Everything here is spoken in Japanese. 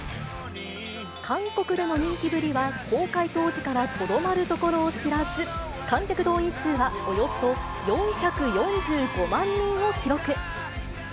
韓国の人気ぶりは公開当時からとどまるところを知らず、観客動員数はおよそ４４５万人を記録。